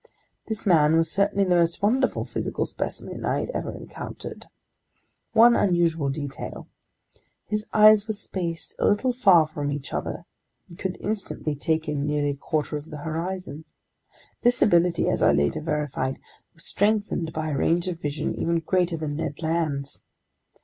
This man was certainly the most wonderful physical specimen I had ever encountered. One unusual detail: his eyes were spaced a little far from each other and could instantly take in nearly a quarter of the horizon. This ability—as I later verified—was strengthened by a range of vision even greater than Ned Land's.